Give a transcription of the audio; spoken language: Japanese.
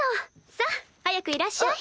さあ早くいらっしゃい！